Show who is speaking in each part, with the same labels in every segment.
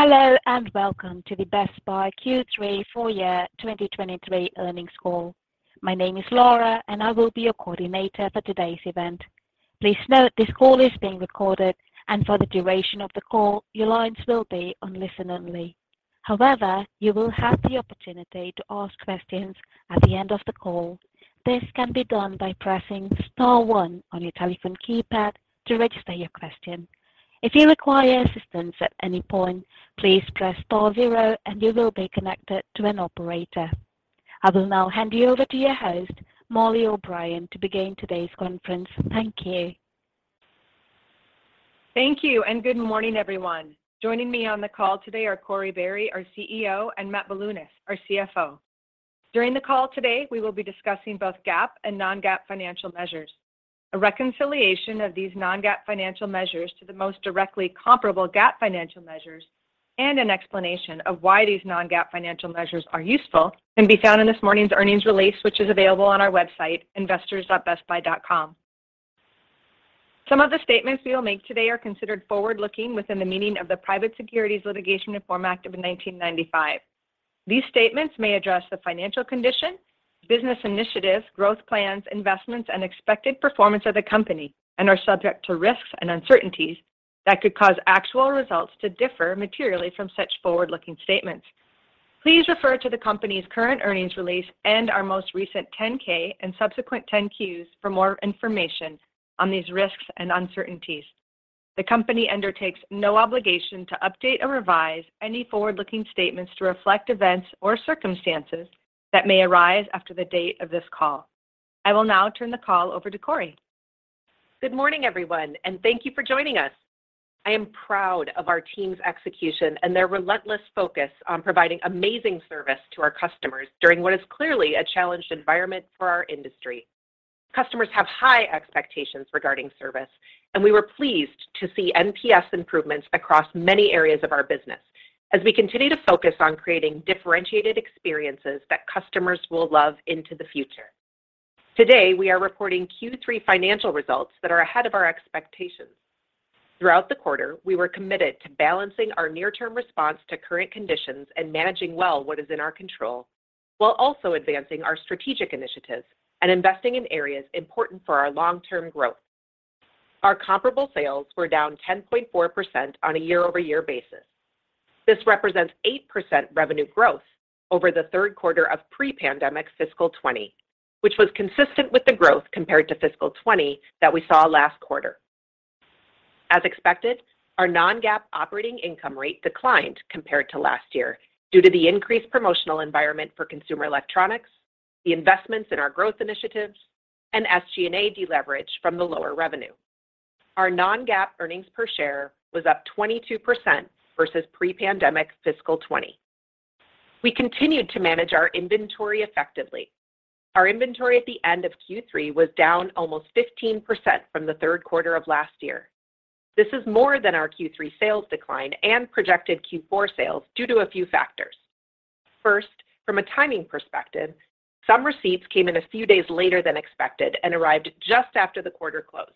Speaker 1: Hello, and welcome to the Best Buy Q3 fiscal 2023 earnings call. My name is Laura and I will be your coordinator for today's event. Please note, this call is being recorded, and for the duration of the call, your lines will be on listen only. However, you will have the opportunity to ask questions at the end of the call. This can be done by pressing star one on your telephone keypad to register your question. If you require assistance at any point, please press star zero and you will be connected to an operator. I will now hand you over to your host, Mollie O'Brien, to begin today's conference. Thank you.
Speaker 2: Thank you. Good morning, everyone. Joining me on the call today are Corie Barry, our CEO, and Matt Bilunas, our CFO. During the call today, we will be discussing both GAAP and non-GAAP financial measures. A reconciliation of these non-GAAP financial measures to the most directly comparable GAAP financial measures and an explanation of why these non-GAAP financial measures are useful can be found in this morning's earnings release, which is available on our website, investors.bestbuy.com. Some of the statements we will make today are considered forward-looking within the meaning of the Private Securities Litigation Reform Act of 1995. These statements may address the financial condition, business initiatives, growth plans, investments, and expected performance of the company and are subject to risks and uncertainties that could cause actual results to differ materially from such forward-looking statements. Please refer to the company's current earnings release and our most recent Form 10-K and subsequent Form 10-Qs for more information on these risks and uncertainties. The company undertakes no obligation to update or revise any forward-looking statements to reflect events or circumstances that may arise after the date of this call. I will now turn the call over to Corie.
Speaker 3: Good morning, everyone, and thank you for joining us. I am proud of our team's execution and their relentless focus on providing amazing service to our customers during what is clearly a challenged environment for our industry. Customers have high expectations regarding service. We were pleased to see NPS improvements across many areas of our business as we continue to focus on creating differentiated experiences that customers will love into the future. Today, we are reporting Q3 financial results that are ahead of our expectations. Throughout the quarter, we were committed to balancing our near-term response to current conditions and managing well what is in our control while also advancing our strategic initiatives and investing in areas important for our long-term growth. Our comparable sales were down 10.4% on a year-over-year basis. This represents 8% revenue growth over the Q3 of pre-pandemic fiscal 2020, which was consistent with the growth compared to fiscal 2020 that we saw last quarter. As expected, our non-GAAP operating income rate declined compared to last year due to the increased promotional environment for consumer electronics, the investments in our growth initiatives, and SG&A deleverage from the lower revenue. Our non-GAAP earnings per share was up 22% versus pre-pandemic fiscal 2020. We continued to manage our inventory effectively. Our inventory at the end of Q3 was down almost 15% from the Q3 of last year. This is more than our Q3 sales decline and projected Q4 sales due to a few factors. First, from a timing perspective, some receipts came in a few days later than expected and arrived just after the quarter closed.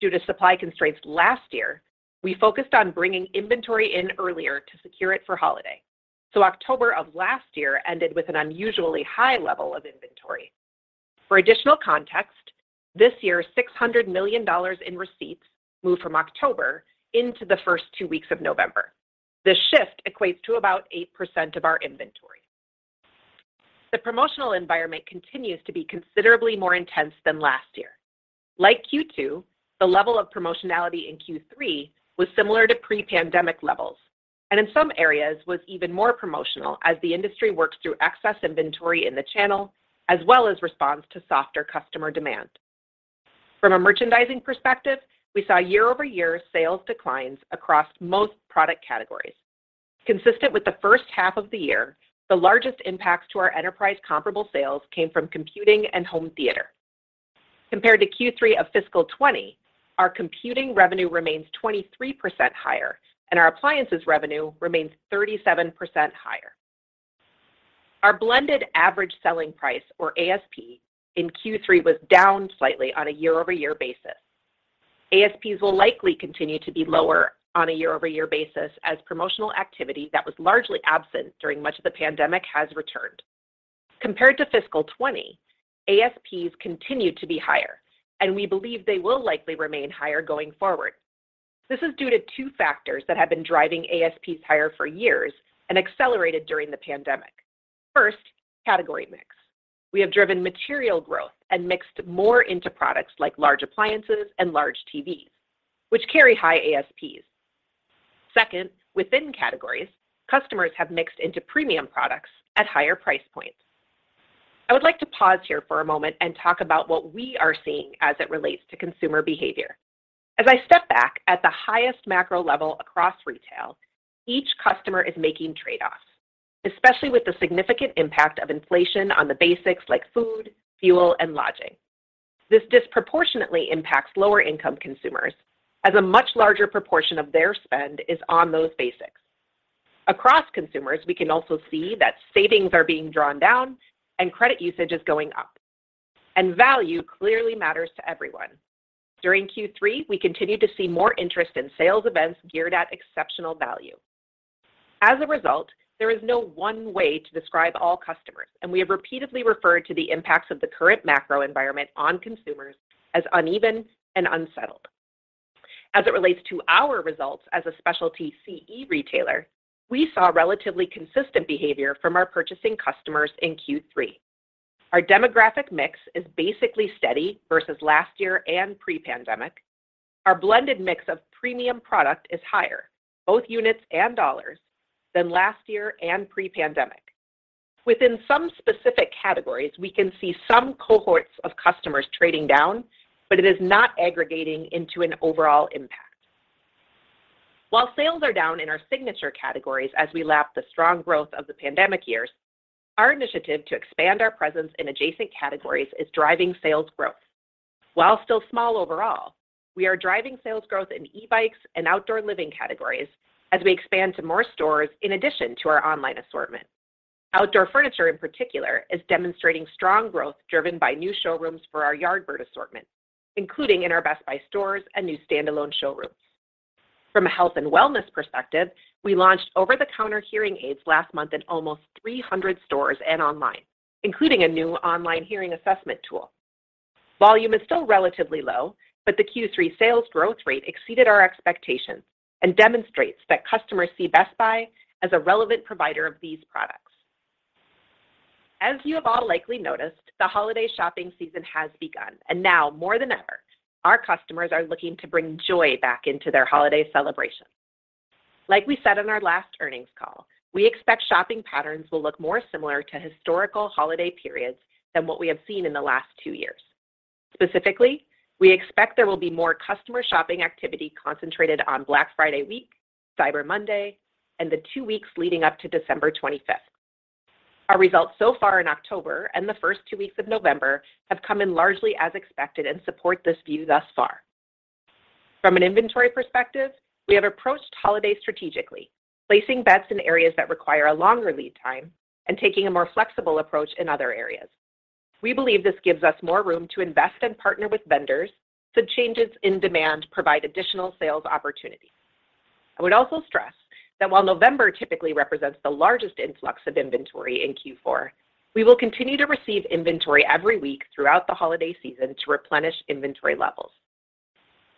Speaker 3: Due to supply constraints last year, we focused on bringing inventory in earlier to secure it for holiday. October of last year ended with an unusually high level of inventory. This year's $600 million in receipts moved from October into the first two weeks of November. This shift equates to about 8% of our inventory. The promotional environment continues to be considerably more intense than last year. Q2, the level of promotionality in Q3 was similar to pre-pandemic levels, and in some areas was even more promotional as the industry works through excess inventory in the channel, as well as responds to softer customer demand. Merchandising perspective, we saw year-over-year sales declines across most product categories. Consistent with the first half of the year, the largest impacts to our enterprise comparable sales came from computing and home theater. Compared to Q3 of fiscal 2020, our computing revenue remains 23% higher, and our appliances revenue remains 37% higher. Our blended average selling price, or ASP, in Q3 was down slightly on a year-over-year basis. ASPs will likely continue to be lower on a year-over-year basis as promotional activity that was largely absent during much of the pandemic has returned. Compared to fiscal 2020, ASPs continued to be higher, and we believe they will likely remain higher going forward. This is due to two factors that have been driving ASPs higher for years and accelerated during the pandemic. First, category mix. We have driven material growth and mixed more into products like large appliances and large TVs, which carry high ASPs. Second, within categories, customers have mixed into premium products at higher price points. I would like to pause here for a moment and talk about what we are seeing as it relates to consumer behavior. As I step back at the highest macro level across retail, each customer is making trade-offs, especially with the significant impact of inflation on the basics like food, fuel, and lodging. This disproportionately impacts lower-income consumers as a much larger proportion of their spend is on those basics. Across consumers, we can also see that savings are being drawn down and credit usage is going up. Value clearly matters to everyone. During Q3, we continued to see more interest in sales events geared at exceptional value. As a result, there is no one way to describe all customers, and we have repeatedly referred to the impacts of the current macro environment on consumers as uneven and unsettled. As it relates to our results as a specialty CE retailer, we saw relatively consistent behavior from our purchasing customers in Q3. Our demographic mix is basically steady versus last year and pre-pandemic. Our blended mix of premium product is higher, both units and dollars, than last year and pre-pandemic. Within some specific categories, we can see some cohorts of customers trading down, but it is not aggregating into an overall impact. While sales are down in our signature categories as we lap the strong growth of the pandemic years, our initiative to expand our presence in adjacent categories is driving sales growth. While still small overall, we are driving sales growth in e-bikes and outdoor living categories as we expand to more stores in addition to our online assortment. Outdoor furniture, in particular, is demonstrating strong growth driven by new showrooms for our Yardbird assortment, including in our Best Buy stores and new standalone showrooms. From a health and wellness perspective, we launched over-the-counter hearing aids last month in almost 300 stores and online, including a new online hearing assessment tool. Volume is still relatively low, but the Q3 sales growth rate exceeded our expectations and demonstrates that customers see Best Buy as a relevant provider of these products. As you have all likely noticed, the holiday shopping season has begun, and now more than ever, our customers are looking to bring joy back into their holiday celebrations. Like we said in our last earnings call, we expect shopping patterns will look more similar to historical holiday periods than what we have seen in the last two years. Specifically, we expect there will be more customer shopping activity concentrated on Black Friday week, Cyber Monday, and the two weeks leading up to December 25th. Our results so far in October and the first two weeks of November have come in largely as expected and support this view thus far. From an inventory perspective, we have approached holidays strategically, placing bets in areas that require a longer lead time and taking a more flexible approach in other areas. We believe this gives us more room to invest and partner with vendors so changes in demand provide additional sales opportunities. I would also stress that while November typically represents the largest influx of inventory in Q4, we will continue to receive inventory every week throughout the holiday season to replenish inventory levels.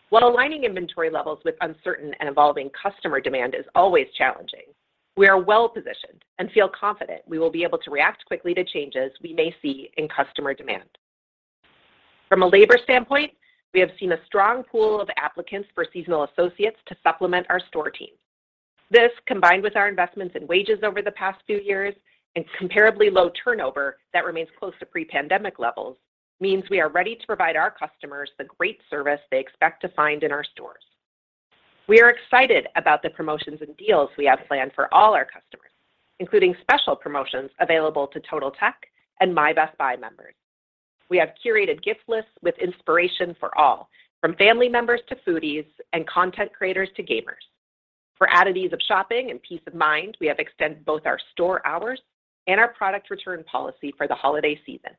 Speaker 3: While aligning inventory levels with uncertain and evolving customer demand is always challenging, we are well-positioned and feel confident we will be able to react quickly to changes we may see in customer demand. From a labor standpoint, we have seen a strong pool of applicants for seasonal associates to supplement our store teams. This, combined with our investments in wages over the past few years and comparably low turnover that remains close to pre-pandemic levels, means we are ready to provide our customers the great service they expect to find in our stores. We are excited about the promotions and deals we have planned for all our customers, including special promotions available to Totaltech and My Best Buy members. We have curated gift lists with inspiration for all, from family members to foodies and content creators to gamers. For added ease of shopping and peace of mind, we have extended both our store hours and our product return policy for the holiday season.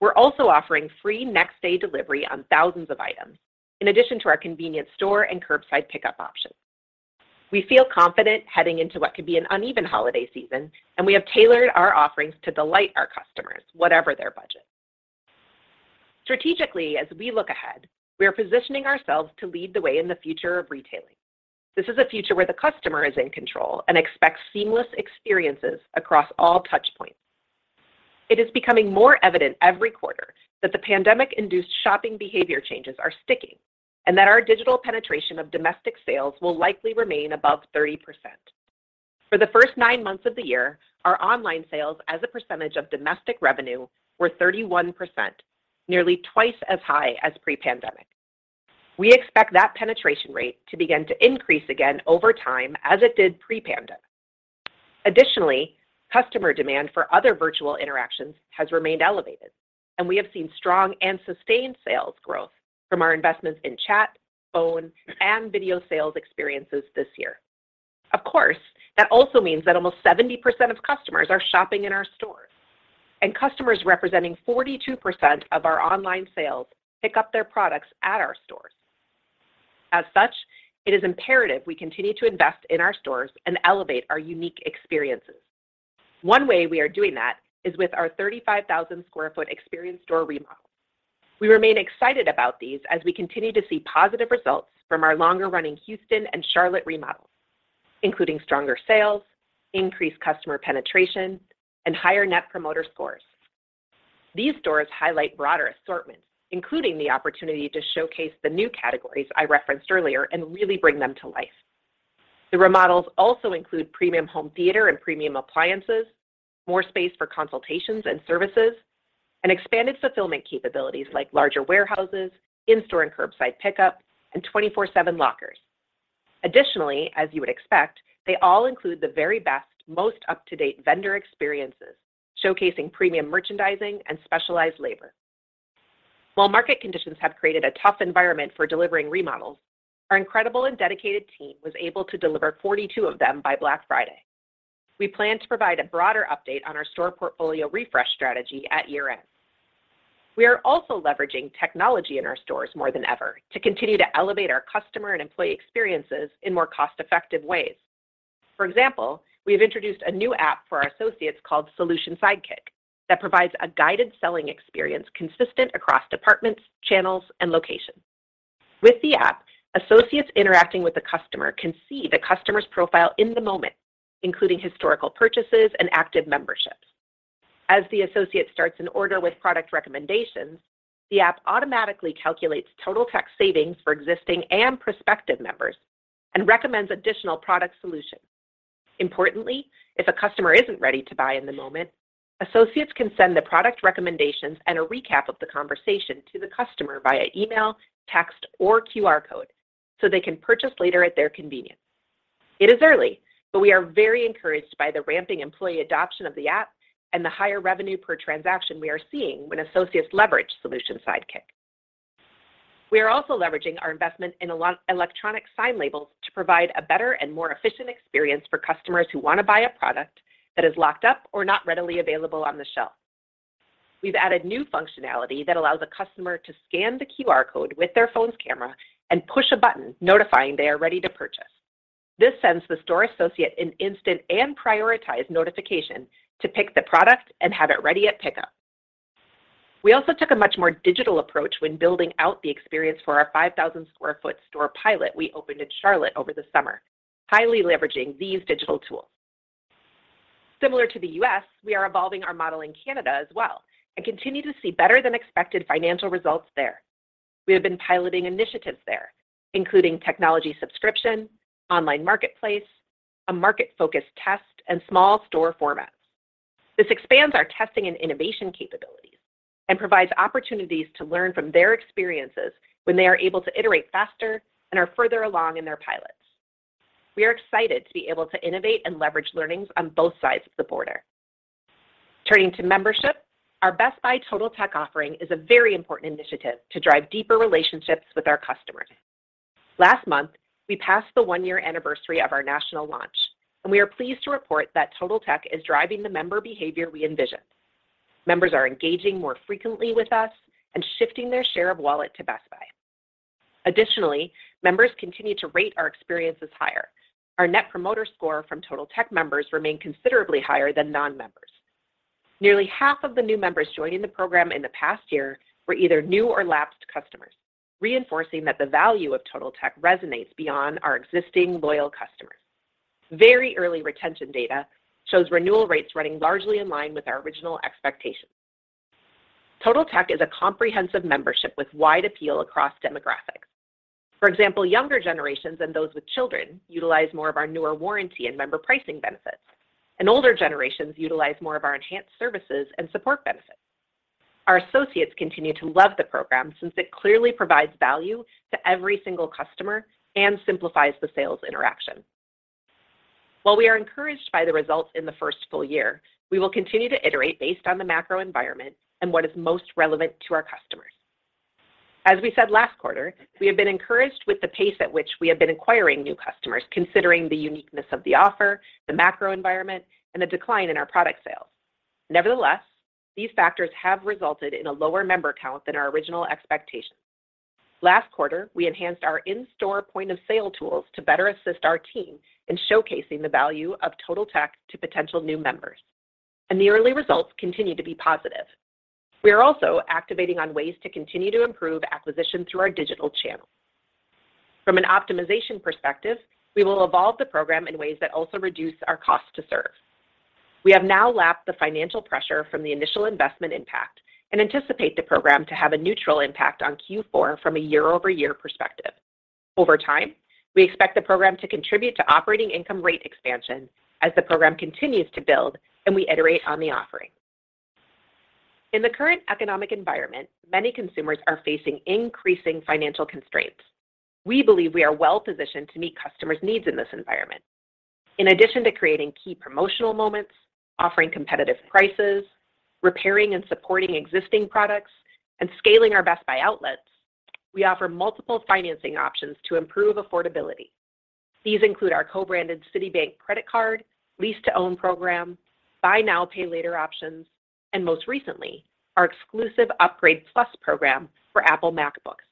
Speaker 3: We're also offering free next-day delivery on thousands of items in addition to our convenience store and curbside pickup options. We feel confident heading into what could be an uneven holiday season, and we have tailored our offerings to delight our customers, whatever their budget. Strategically, as we look ahead, we are positioning ourselves to lead the way in the future of retailing. This is a future where the customer is in control and expects seamless experiences across all touchpoints. It is becoming more evident every quarter that the pandemic-induced shopping behavior changes are sticking and that our digital penetration of domestic sales will likely remain above 30%. For the first nine months of the year, our online sales as a percentage of domestic revenue were 31%, nearly twice as high as pre-pandemic. We expect that penetration rate to begin to increase again over time as it did pre-pandemic. Additionally, customer demand for other virtual interactions has remained elevated, and we have seen strong and sustained sales growth from our investments in chat, phone, and video sales experiences this year. Of course, that also means that almost 70% of customers are shopping in our stores, and customers representing 42% of our online sales pick up their products at our stores. As such, it is imperative we continue to invest in our stores and elevate our unique experiences. One way we are doing that is with our 35,000-square-foot experience store remodels. We remain excited about these as we continue to see positive results from our longer-running Houston and Charlotte remodels, including stronger sales, increased customer penetration, and higher Net Promoter Scores. These stores highlight broader assortments, including the opportunity to showcase the new categories I referenced earlier and really bring them to life. The remodels also include premium home theater and premium appliances, more space for consultations and services, and expanded fulfillment capabilities like larger warehouses, in-store and curbside pickup, and 24/7 lockers. Additionally, as you would expect, they all include the very best, most up-to-date vendor experiences, showcasing premium merchandising and specialized labor. While market conditions have created a tough environment for delivering remodels, our incredible and dedicated team was able to deliver 42 of them by Black Friday. We plan to provide a broader update on our store portfolio refresh strategy at year-end. We are also leveraging technology in our stores more than ever to continue to elevate our customer and employee experiences in more cost-effective ways. For example, we have introduced a new app for our associates called Solution Sidekick that provides a guided selling experience consistent across departments, channels, and locations. With the app, associates interacting with the customer can see the customer's profile in the moment, including historical purchases and active memberships. The app automatically calculates total tax savings for existing and prospective members and recommends additional product solutions. Importantly, if a customer isn't ready to buy in the moment, associates can send the product recommendations and a recap of the conversation to the customer via email, text, or QR code so they can purchase later at their convenience. It is early, we are very encouraged by the ramping employee adoption of the app and the higher revenue per transaction we are seeing when associates leverage Solution Sidekick. We are also leveraging our investment in electronic sign labels to provide a better and more efficient experience for customers who want to buy a product that is locked up or not readily available on the shelf. We've added new functionality that allows a customer to scan the QR code with their phone's camera and push a button notifying they are ready to purchase. This sends the store associate an instant and prioritized notification to pick the product and have it ready at pickup. We also took a much more digital approach when building out the experience for our 5,000-square-foot store pilot we opened in Charlotte over the summer, highly leveraging these digital tools. Similar to the U.S., we are evolving our model in Canada as well and continue to see better-than-expected financial results there. We have been piloting initiatives there, including technology subscription, online marketplace, a market-focused test, and small store formats. This expands our testing and innovation capabilities and provides opportunities to learn from their experiences when they are able to iterate faster and are further along in their pilots. We are excited to be able to innovate and leverage learnings on both sides of the border. Turning to membership, our Best Buy Totaltech offering is a very important initiative to drive deeper relationships with our customers. Last month, we passed the one-year anniversary of our national launch, and we are pleased to report that Totaltech is driving the member behavior we envisioned. Members are engaging more frequently with us and shifting their share of wallet to Best Buy. Additionally, members continue to rate our experiences higher. Our net promoter score from Total Tech members remain considerably higher than non-members. Nearly half of the new members joining the program in the past year were either new or lapsed customers, reinforcing that the value of Total Tech resonates beyond our existing loyal customers. Very early retention data shows renewal rates running largely in line with our original expectations. Total Tech is a comprehensive membership with wide appeal across demographics. For example, younger generations and those with children utilize more of our newer warranty and member pricing benefits, and older generations utilize more of our enhanced services and support benefits. Our associates continue to love the program since it clearly provides value to every single customer and simplifies the sales interaction. While we are encouraged by the results in the first full year, we will continue to iterate based on the macro environment and what is most relevant to our customers. As we said last quarter, we have been encouraged with the pace at which we have been acquiring new customers, considering the uniqueness of the offer, the macro environment, and the decline in our product sales. Nevertheless, these factors have resulted in a lower member count than our original expectations. Last quarter, we enhanced our in-store point-of-sale tools to better assist our team in showcasing the value of Total Tech to potential new members, and the early results continue to be positive. We are also activating on ways to continue to improve acquisition through our digital channels. From an optimization perspective, we will evolve the program in ways that also reduce our cost to serve. We have now lapped the financial pressure from the initial investment impact and anticipate the program to have a neutral impact on Q4 from a year-over-year perspective. Over time, we expect the program to contribute to operating income rate expansion as the program continues to build and we iterate on the offering. In the current economic environment, many consumers are facing increasing financial constraints. We believe we are well-positioned to meet customers' needs in this environment. In addition to creating key promotional moments, offering competitive prices, repairing and supporting existing products, and scaling our Best Buy Outlets, we offer multiple financing options to improve affordability. These include our co-branded Citibank credit card, lease-to-own program, buy now, pay later options, and most recently, our exclusive Upgrade+ program for Apple MacBooks.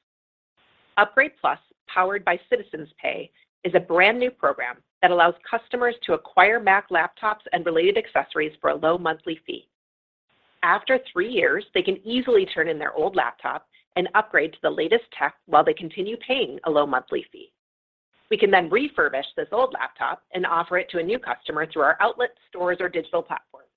Speaker 3: Upgrade+, powered by Citizens Pay, is a brand-new program that allows customers to acquire Mac laptops and related accessories for a low monthly fee. After three years, they can easily turn in their old laptop and upgrade to the latest tech while they continue paying a low monthly fee. We can then refurbish this old laptop and offer it to a new customer through our outlet stores or digital platforms.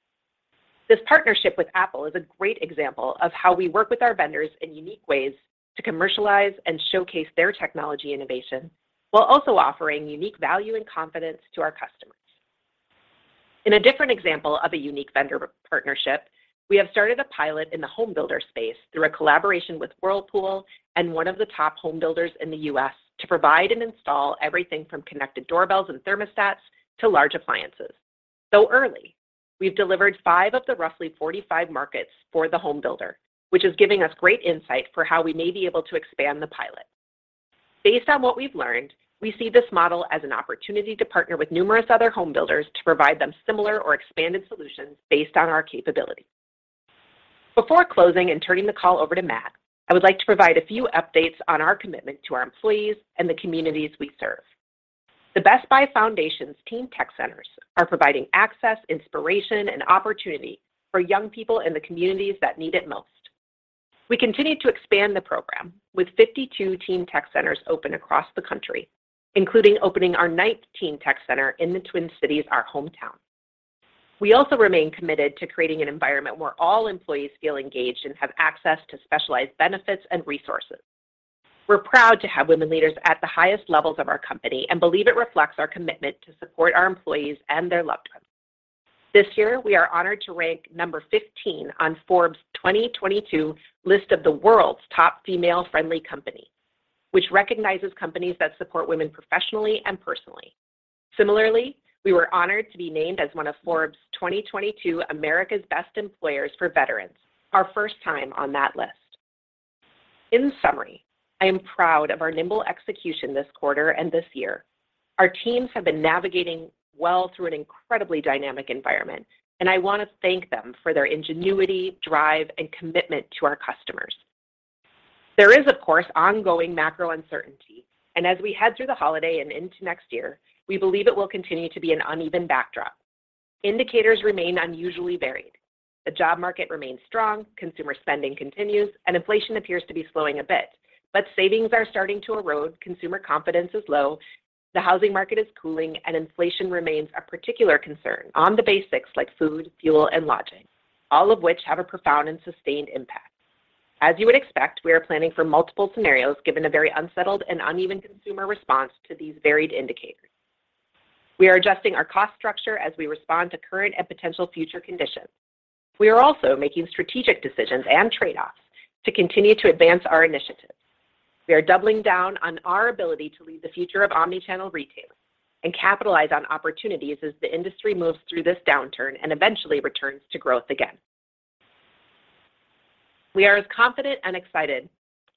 Speaker 3: This partnership with Apple is a great example of how we work with our vendors in unique ways to commercialize and showcase their technology innovation while also offering unique value and confidence to our customers. In a different example of a unique vendor partnership, we have started a pilot in the home builder space through a collaboration with Whirlpool and one of the top home builders in the U.S. to provide and install everything from connected doorbells and thermostats to large appliances. Early, we've delivered 5 of the roughly 45 markets for the home builder, which is giving us great insight for how we may be able to expand the pilot. Based on what we've learned, we see this model as an opportunity to partner with numerous other home builders to provide them similar or expanded solutions based on our capability. Before closing and turning the call over to Matt, I would like to provide a few updates on our commitment to our employees and the communities we serve. The Best Buy Foundation's Teen Tech Centers are providing access, inspiration, and opportunity for young people in the communities that need it most. We continue to expand the program with 52 Teen Tech Centers open across the country, including opening our ninth Teen Tech Center in the Twin Cities, our hometown. We also remain committed to creating an environment where all employees feel engaged and have access to specialized benefits and resources. We're proud to have women leaders at the highest levels of our company and believe it reflects our commitment to support our employees and their loved ones. This year, we are honored to rank number 15 on Forbes' 2022 list of the world's top female-friendly companies, which recognizes companies that support women professionally and personally. Similarly, we were honored to be named as one of Forbes' 2022 America's Best Employers for Veterans, our first time on that list. In summary, I am proud of our nimble execution this quarter and this year. Our teams have been navigating well through an incredibly dynamic environment, and I want to thank them for their ingenuity, drive, and commitment to our customers. There is, of course, ongoing macro uncertainty. As we head through the holiday and into next year, we believe it will continue to be an uneven backdrop. Indicators remain unusually varied. The job market remains strong, consumer spending continues, and inflation appears to be slowing a bit. Savings are starting to erode, consumer confidence is low, the housing market is cooling, and inflation remains a particular concern on the basics like food, fuel, and lodging, all of which have a profound and sustained impact. As you would expect, we are planning for multiple scenarios given a very unsettled and uneven consumer response to these varied indicators. We are adjusting our cost structure as we respond to current and potential future conditions. We are also making strategic decisions and trade-offs to continue to advance our initiatives. We are doubling down on our ability to lead the future of omni-channel retail and capitalize on opportunities as the industry moves through this downturn and eventually returns to growth again. We are as confident and excited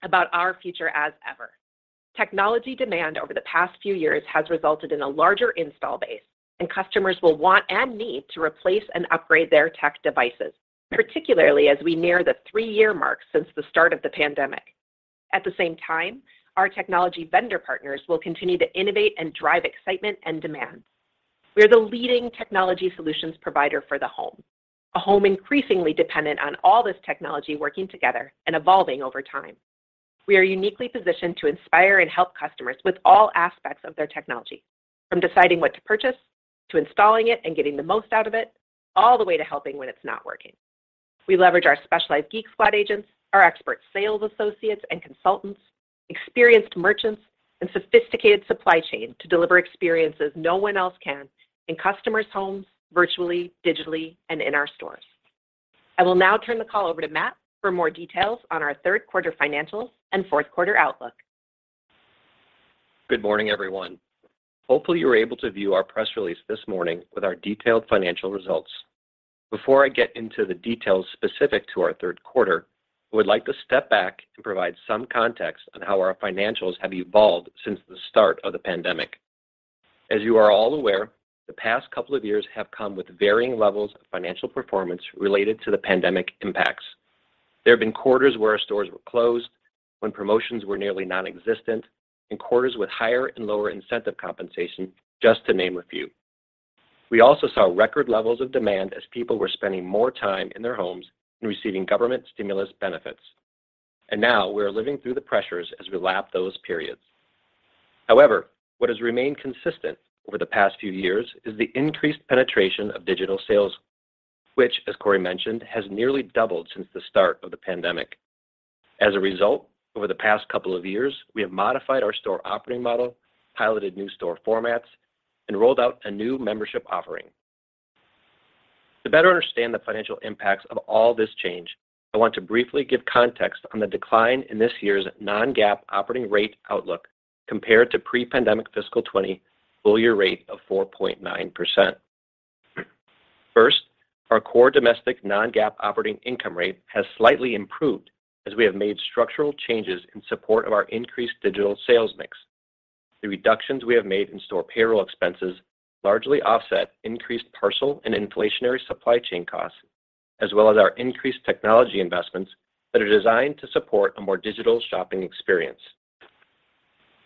Speaker 3: about our future as ever. Technology demand over the past few years has resulted in a larger install base. Customers will want and need to replace and upgrade their tech devices, particularly as we near the three-year mark since the start of the pandemic. At the same time, our technology vendor partners will continue to innovate and drive excitement and demand. We are the leading technology solutions provider for the home, a home increasingly dependent on all this technology working together and evolving over time. We are uniquely positioned to inspire and help customers with all aspects of their technology, from deciding what to purchase, to installing it and getting the most out of it, all the way to helping when it's not working. We leverage our specialized Geek Squad agents, our expert sales associates and consultants, experienced merchants, and sophisticated supply chain to deliver experiences no one else can in customers' homes, virtually, digitally, and in our stores. I will now turn the call over to Matt for more details on our Q3 financials and Q4 outlook.
Speaker 4: Good morning, everyone. Hopefully, you were able to view our press release this morning with our detailed financial results. Before I get into the details specific to our Q3, I would like to step back and provide some context on how our financials have evolved since the start of the pandemic. As you are all aware, the past couple of years have come with varying levels of financial performance related to the pandemic impacts. There have been quarters where our stores were closed, when promotions were nearly nonexistent, and quarters with higher and lower incentive compensation, just to name a few. We also saw record levels of demand as people were spending more time in their homes and receiving government stimulus benefits. Now we are living through the pressures as we lap those periods. However, what has remained consistent over the past few years is the increased penetration of digital sales, which, as Corie mentioned, has nearly doubled since the start of the pandemic. As a result, over the past couple of years, we have modified our store operating model, piloted new store formats, and rolled out a new membership offering. To better understand the financial impacts of all this change, I want to briefly give context on the decline in this year's non-GAAP operating rate outlook compared to pre-pandemic fiscal 2020 full-year rate of 4.9%. First, our core domestic non-GAAP operating income rate has slightly improved as we have made structural changes in support of our increased digital sales mix. The reductions we have made in store payroll expenses largely offset increased parcel and inflationary supply chain costs, as well as our increased technology investments that are designed to support a more digital shopping experience.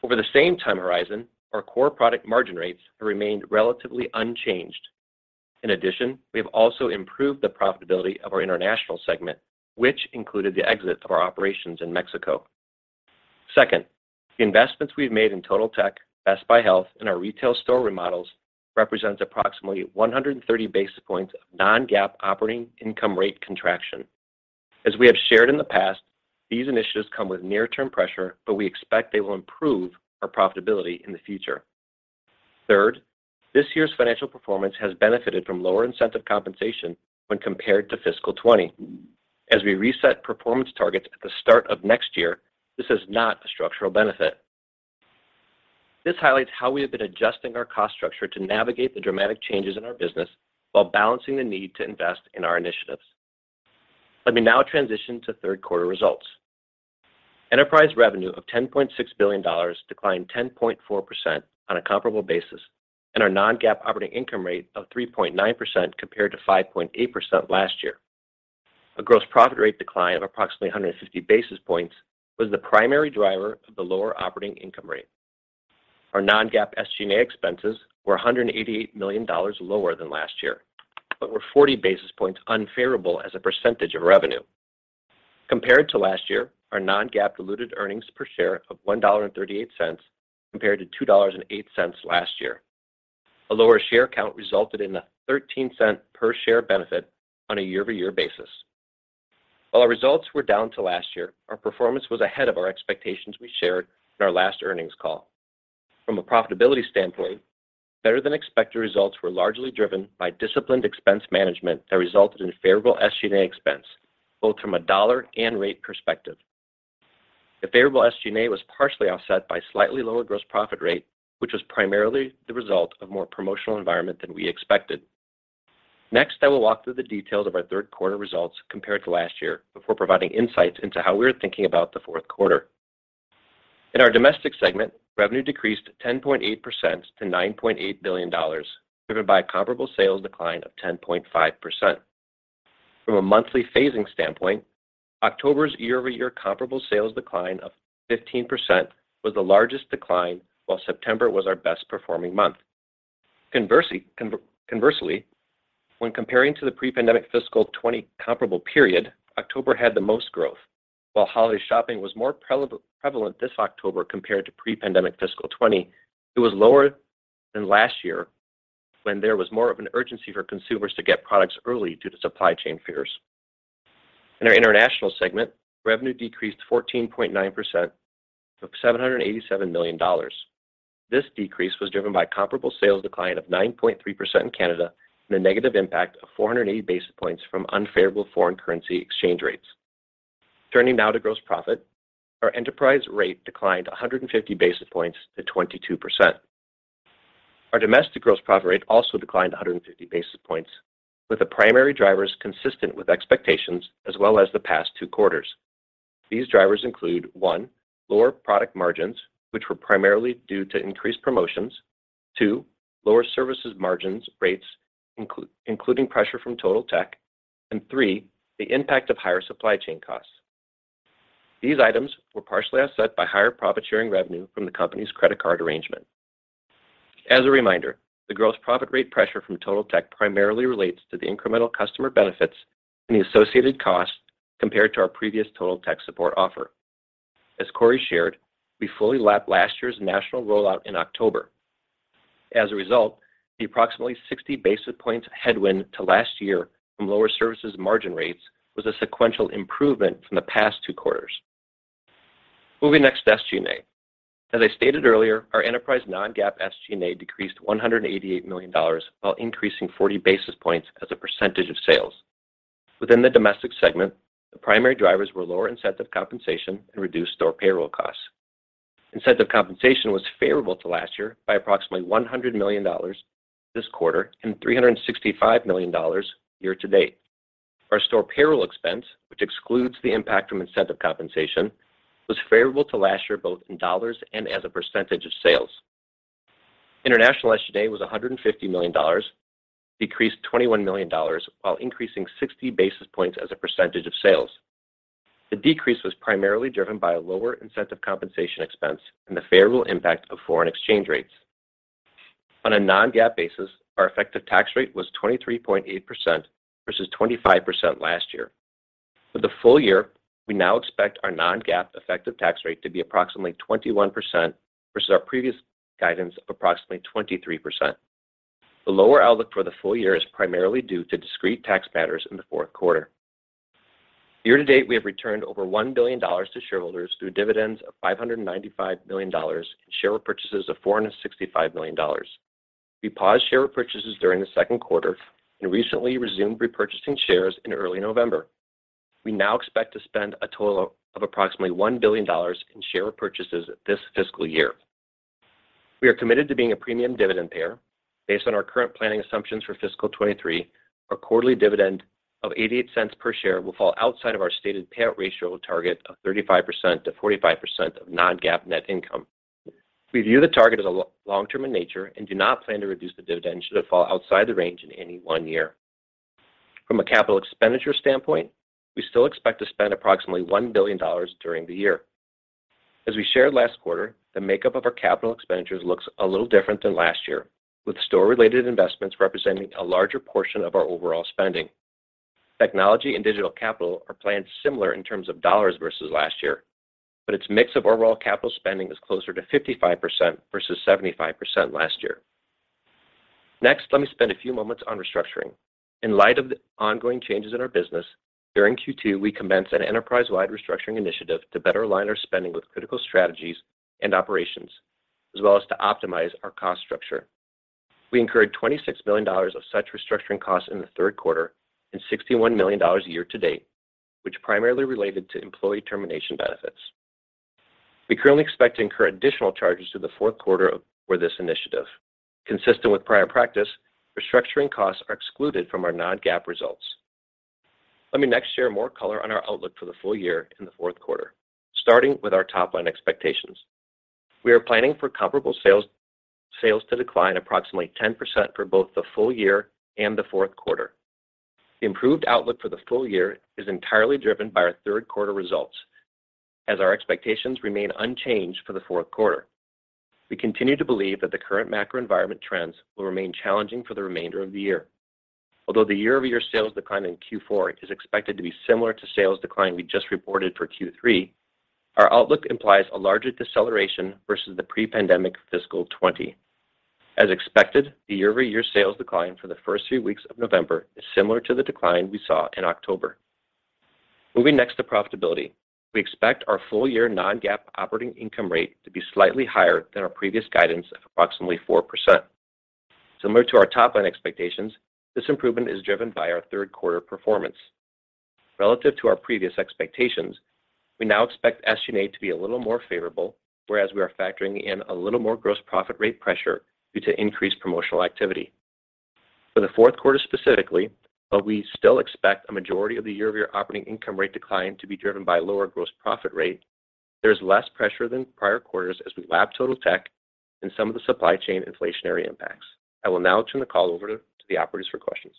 Speaker 4: Over the same time horizon, our core product margin rates have remained relatively unchanged. We have also improved the profitability of our international segment, which included the exit of our operations in Mexico. The investments we've made in Total Tech, Best Buy Health, and our retail store remodels represents approximately 130 basis points of non-GAAP operating income rate contraction. As we have shared in the past, these initiatives come with near-term pressure, but we expect they will improve our profitability in the future. This year's financial performance has benefited from lower incentive compensation when compared to fiscal 2020. As we reset performance targets at the start of next year, this is not a structural benefit. This highlights how we have been adjusting our cost structure to navigate the dramatic changes in our business while balancing the need to invest in our initiatives. Let me now transition to Q3 results. Enterprise revenue of $10.6 billion declined 10.4% on a comparable basis and our non-GAAP operating income rate of 3.9% compared to 5.8% last year. A gross profit rate decline of approximately 150 basis points was the primary driver of the lower operating income rate. Our non-GAAP SG&A expenses were $188 million lower than last year, but were 40 basis points unfavorable as a percentage of revenue. Compared to last year, our non-GAAP diluted earnings per share of $1.38 compared to $2.08 last year. A lower share count resulted in a $0.13 per share benefit on a year-over-year basis. While our results were down to last year, our performance was ahead of our expectations we shared in our last earnings call. From a profitability standpoint, better-than-expected results were largely driven by disciplined expense management that resulted in favorable SG&A expense, both from a dollar and rate perspective. The favorable SG&A was partially offset by slightly lower gross profit rate, which was primarily the result of more promotional environment than we expected. Next, I will walk through the details of our Q3 results compared to last year before providing insights into how we are thinking about the Q4. In our domestic segment, revenue decreased 10.8% to $9.8 billion, driven by a comparable sales decline of 10.5%. From a monthly phasing standpoint, October's year-over-year comparable sales decline of 15% was the largest decline, while September was our best-performing month. Conversely, when comparing to the pre-pandemic fiscal 2020 comparable period, October had the most growth. While holiday shopping was more prevalent this October compared to pre-pandemic fiscal 2020, it was lower than last year when there was more of an urgency for consumers to get products early due to supply chain fears. In our international segment, revenue decreased 14.9% of $787 million. This decrease was driven by comparable sales decline of 9.3% in Canada and a negative impact of 480 basis points from unfavorable foreign currency exchange rates. Turning now to gross profit, our enterprise rate declined 150 basis points to 22%. Our domestic gross profit rate also declined 150 basis points, with the primary drivers consistent with expectations as well as the past two quarters. These drivers include, one, lower product margins, which were primarily due to increased promotions. two, lower services margins rates, including pressure from Total Tech. And three, the impact of higher supply chain costs. These items were partially offset by higher profit sharing revenue from the company's credit card arrangement. As a reminder, the gross profit rate pressure from Total Tech primarily relates to the incremental customer benefits and the associated cost compared to our previous Total Tech Support offer. As Corie shared, we fully lapped last year's national rollout in October. As a result, the approximately 60 basis points headwind to last year from lower services margin rates was a sequential improvement from the past two quarters. Moving next to SG&A. As I stated earlier, our enterprise non-GAAP SG&A decreased $188 million while increasing 40 basis points as a percentage of sales. Within the domestic segment, the primary drivers were lower incentive compensation and reduced store payroll costs. Incentive compensation was favorable to last year by approximately $100 million this quarter and $365 million year-to-date. Our store payroll expense, which excludes the impact from incentive compensation, was favorable to last year, both in dollars and as a percentage of sales. International SG&A was $150 million, decreased $21 million while increasing 60 basis points as a percentage of sales. The decrease was primarily driven by a lower incentive compensation expense and the favorable impact of foreign exchange rates. On a non-GAAP basis, our effective tax rate was 23.8% versus 25% last year. For the full year, we now expect our non-GAAP effective tax rate to be approximately 21% versus our previous guidance of approximately 23%. The lower outlook for the full year is primarily due to discrete tax matters in the fourth quarter. Year to date, we have returned over $1 billion to shareholders through dividends of $595 million and share repurchases of $465 million. We paused share repurchases during the second quarter and recently resumed repurchasing shares in early November. We now expect to spend a total of approximately $1 billion in share repurchases this fiscal year. We are committed to being a premium dividend payer. Based on our current planning assumptions for fiscal 2023, our quarterly dividend of $0.88 per share will fall outside of our stated payout ratio target of 35%-45% of non-GAAP net income. We view the target as long-term in nature and do not plan to reduce the dividend should it fall outside the range in any one year. From a capital expenditure standpoint, we still expect to spend approximately $1 billion during the year. As we shared last quarter, the makeup of our capital expenditures looks a little different than last year, with store-related investments representing a larger portion of our overall spending. Technology and digital capital are planned similar in terms of dollars versus last year, but its mix of overall capital spending is closer to 55% versus 75% last year. Let me spend a few moments on restructuring. In light of the ongoing changes in our business, during Q2, we commenced an enterprise-wide restructuring initiative to better align our spending with critical strategies and operations, as well as to optimize our cost structure. We incurred $26 million of such restructuring costs in the Q3 and $61 million year to date, which primarily related to employee termination benefits. We currently expect to incur additional charges through the Q4 for this initiative. Consistent with prior practice, restructuring costs are excluded from our non-GAAP results. Let me next share more color on our outlook for the full year in the Q4, starting with our top line expectations. We are planning for comparable sales to decline approximately 10% for both the full year and the Q4. The improved outlook for the full year is entirely driven by our Q3 results, as our expectations remain unchanged for the Q4. We continue to believe that the current macro environment trends will remain challenging for the remainder of the year. Although the year-over-year sales decline in Q4 is expected to be similar to sales decline we just reported for Q3, our outlook implies a larger deceleration versus the pre-pandemic fiscal 2020. As expected, the year-over-year sales decline for the first three weeks of November is similar to the decline we saw in October. Moving next to profitability. We expect our full year non-GAAP operating income rate to be slightly higher than our previous guidance of approximately 4%. Similar to our top line expectations, this improvement is driven by our Q3 performance. Relative to our previous expectations, we now expect SG&A to be a little more favorable, whereas we are factoring in a little more gross profit rate pressure due to increased promotional activity. For the Q4 specifically, while we still expect a majority of the year-over-year operating income rate decline to be driven by lower gross profit rate, there is less pressure than prior quarters as we lap Total Tech and some of the supply chain inflationary impacts. I will now turn the call over to the operators for questions.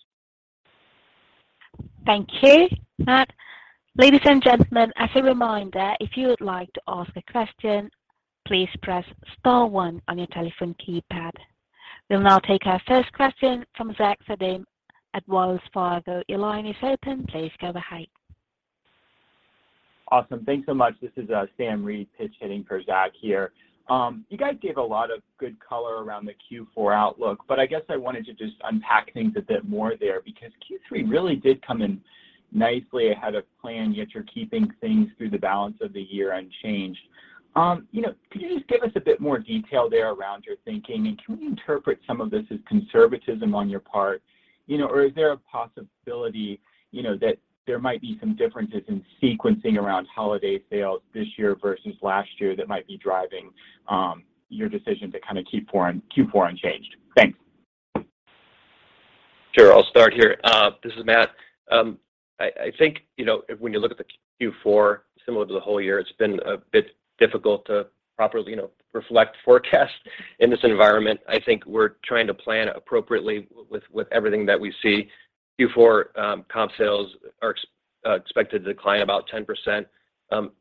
Speaker 1: Thank you, Matt. Ladies and gentlemen, as a reminder, if you would like to ask a question, please press star one on your telephone keypad. We'll now take our first question from Zach Fadem at Wells Fargo. Your line is open. Please go ahead.
Speaker 5: Awesome. Thanks so much. This is Sam Reid pitch hitting for Zach here. I guess I wanted to just unpack things a bit more there because Q3 really did come in nicely ahead of plan, yet you're keeping things through the balance of the year unchanged. You know, could you just give us a bit more detail there around your thinking, and can we interpret some of this as conservatism on your part? You know, is there a possibility, you know, that there might be some differences in sequencing around holiday sales this year versus last year that might be driving your decision to kinda keep Q4 unchanged? Thanks.
Speaker 4: Sure. I'll start here. This is Matt. I think, you know, when you look at the Q4 similar to the whole year, it's been a bit difficult to properly, you know, reflect forecasts in this environment. I think we're trying to plan appropriately with everything that we see. Q4, comp sales are expected to decline about 10%.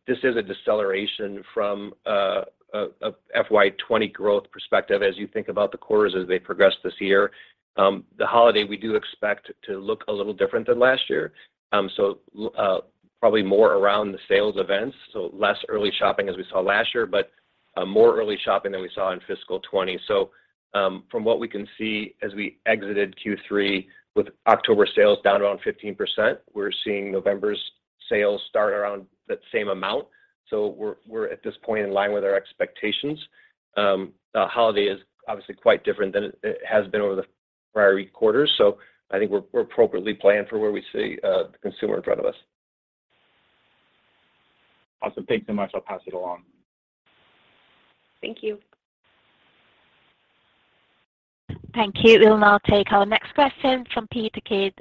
Speaker 4: This is a deceleration from a fiscal 2020 growth perspective as you think about the quarters as they progress this year. The holiday we do expect to look a little different than last year. Probably more around the sales events, so less early shopping as we saw last year, but more early shopping than we saw in fiscal 2020. From what we can see as we exited Q3 with October sales down around 15%, we're seeing November's sales start around that same amount. We're at this point in line with our expectations. The holiday is obviously quite different than it has been over the prior quarters, so I think we're appropriately planned for where we see the consumer in front of us.
Speaker 5: Awesome. Thanks so much. I'll pass it along.
Speaker 3: Thank you.
Speaker 1: Thank you. We'll now take our next question from Peter Keith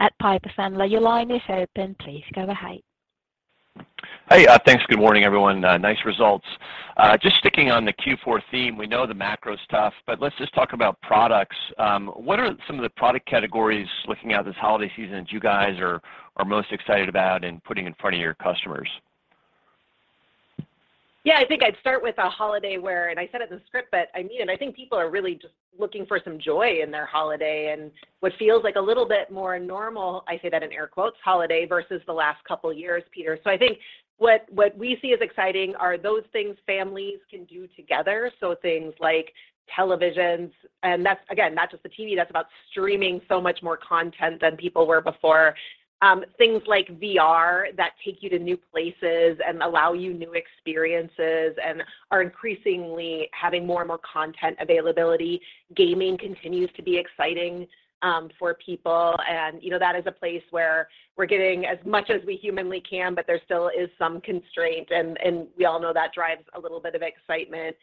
Speaker 1: at Piper Sandler. Your line is open. Please go ahead.
Speaker 6: Hey. Thanks. Good morning, everyone. Nice results. Just sticking on the Q4 theme, we know the macro's tough, but let's just talk about products. What are some of the product categories looking at this holiday season that you guys are most excited about in putting in front of your customers?
Speaker 3: Yeah. I think I'd start with a holiday where, and I said it in the script, but I mean it. I think people are really just looking for some joy in their holiday and what feels like a little bit more normal, I say that in air quotes, holiday versus the last couple years, Peter. I think what we see as exciting are those things families can do together, so things like televisions. That's, again, not just the TV. That's about streaming so much more content than people were before. Things like VR that take you to new places and allow you new experiences and are increasingly having more and more content availability. Gaming continues to be exciting, for people, and, you know, that is a place where we're getting as much as we humanly can, but there still is some constraint, and we all know that drives a little bit of excitement.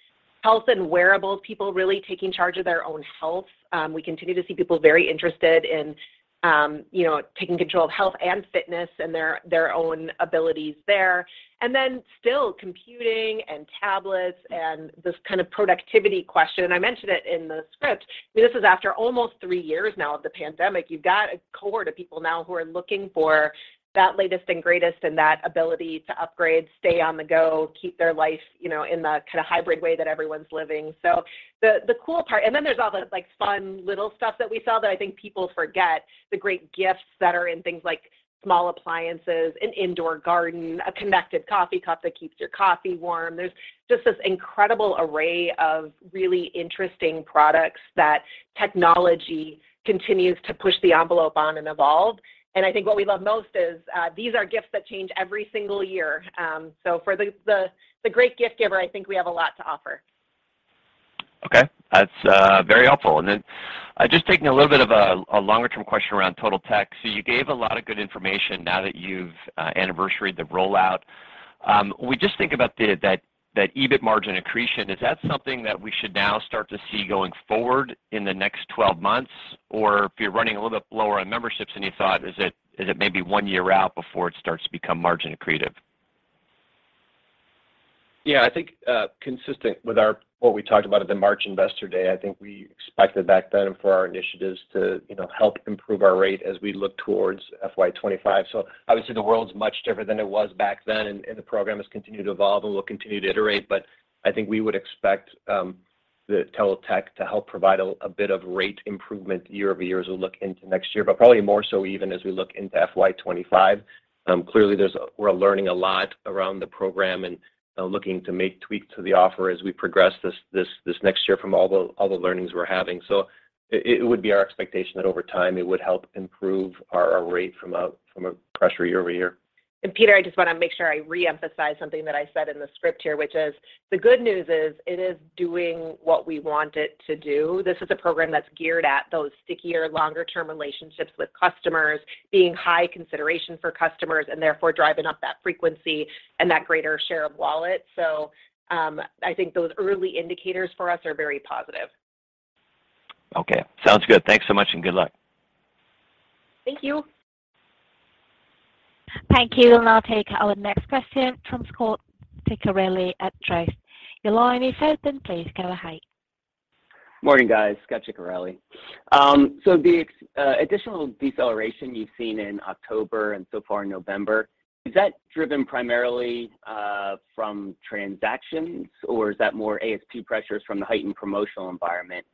Speaker 3: Health and wearables, people really taking charge of their own health. We continue to see people very interested in, you know, taking control of health and fitness and their own abilities there. Still computing and tablets and this kind of productivity question. I mentioned it in the script. I mean, this is after almost three years now of the pandemic. You've got a cohort of people now who are looking for that latest and greatest and that ability to upgrade, stay on the go, keep their life, you know, in the kinda hybrid way that everyone's living. The, the cool part... Then there's all the, like, fun little stuff that we sell that I think people forget, the great gifts that are in things like small appliances, an indoor garden, a connected coffee cup that keeps your coffee warm. There's just this incredible array of really interesting products that technology continues to push the envelope on and evolve. I think what we love most is, these are gifts that change every single year. For the, the great gift giver, I think we have a lot to offer.
Speaker 6: Okay. That's very helpful. Then, just taking a little bit of a longer-term question around Totaltech. You gave a lot of good information now that you've anniversaried the rollout. When we just think about that EBIT margin accretion, is that something that we should now start to see going forward in the next 12 months? If you're running a little bit lower on memberships than you thought, is it maybe one year out before it starts to become margin accretive?
Speaker 4: I think, consistent with what we talked about at the March Investor Day, I think we expected back then for our initiatives to, you know, help improve our rate as we look towards FY 2025. Obviously, the world's much different than it was back then, and the program has continued to evolve, and we'll continue to iterate. I think we would expect the Totaltech to help provide a bit of rate improvement year-over-year as we look into next year, but probably more so even as we look into FY 2025. Clearly, we're learning a lot around the program and looking to make tweaks to the offer as we progress this next year from all the learnings we're having.It would be our expectation that over time it would help improve our rate from a pressure year-over-year.
Speaker 3: Peter, I just wanna make sure I reemphasize something that I said in the script here, which is the good news is it is doing what we want it to do. This is a program that's geared at those stickier, longer term relationships with customers, being high consideration for customers, and therefore driving up that frequency and that greater share of wallet. I think those early indicators for us are very positive.
Speaker 6: Okay. Sounds good. Thanks so much. Good luck.
Speaker 3: Thank you.
Speaker 1: Thank you. We'll now take our next question from Scot Ciccarelli at Truist. Your line is open. Please go ahead.
Speaker 7: Morning, guys. Scot Ciccarelli. The additional deceleration you've seen in October and so far in November, is that driven primarily from transactions, or is that more ASP pressures from the heightened promotional environment?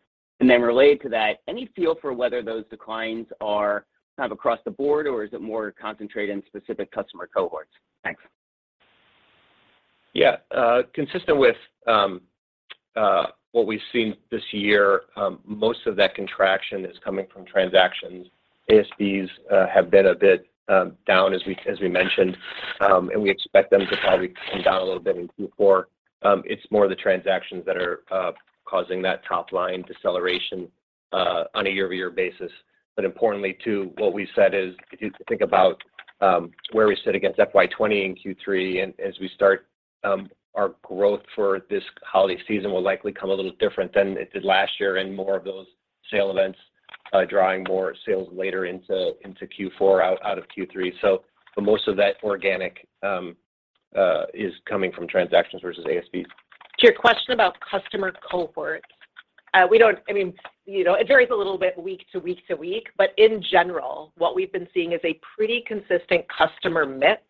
Speaker 7: Related to that, any feel for whether those declines are kind of across the board, or is it more concentrated in specific customer cohorts? Thanks.
Speaker 4: Yeah. Consistent with what we've seen this year, most of that contraction is coming from transactions. ASPs have been a bit down as we mentioned, and we expect them to probably come down a little bit in Q4. It's more the transactions that are causing that top line deceleration on a year-over-year basis. Importantly, too, what we said is if you think about where we sit against fiscal 2020 in Q3 and as we start, our growth for this holiday season will likely come a little different than it did last year and more of those sale events drawing more sales later into Q4 out of Q3. For most of that organic is coming from transactions versus ASPs.
Speaker 3: To your question about customer cohorts, I mean, you know, it varies a little bit week to week, but in general, what we've been seeing is a pretty consistent customer mix,